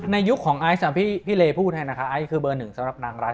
ยุคของไอซ์พี่เลพูดให้นะคะไอซ์คือเบอร์หนึ่งสำหรับนางรัฐ